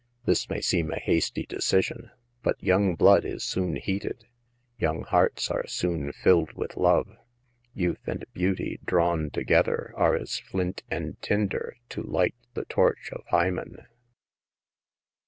This may seem a hasty decision ; but young blood is soon heated ; young hearts are soon filled with love. Youth and beauty drawn together are as flimt and tinder to light the torch of Hymen.